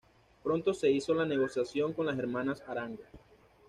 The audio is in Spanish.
Pronto se hizo la negociación con las hermanas Arango.